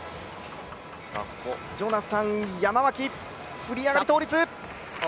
ジョナサン・ヤマワキ、振り上がり倒立。